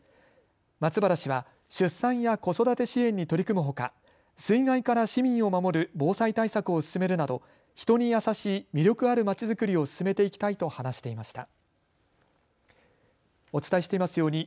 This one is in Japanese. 松原氏は出産や子育て支援に取り組むほか水害から市民を守る防災対策を進めるなど人に優しい魅力あるまちづくりを進めていきたいと話していました。